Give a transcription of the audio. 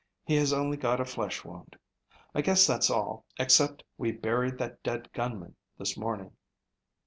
He has only got a flesh wound. I guess that's all, except we buried that dead gunman this morning."